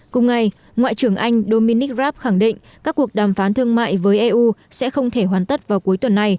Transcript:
cùng ngày ngoại trưởng anh dominic raab khẳng định các cuộc đàm phán thương mại với eu sẽ không thể hoàn tất vào cuối tuần này